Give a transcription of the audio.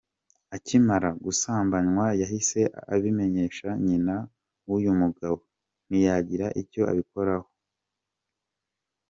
Akimara gusambanywa yahise abimenyesha nyina w’uyu mugabo, ntiyagira icyo abikoraho.